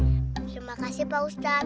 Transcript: terima kasih pak ustadz